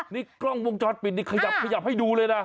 นี่กล้องวงจรปิดนี่ขยับให้ดูเลยนะ